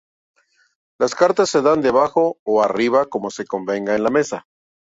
Las cartas se dan de abajo o arriba como se convenga en la mesa.